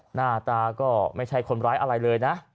หน้าตาก็ไม่ใช่คนร้ายอะไรเลยนะ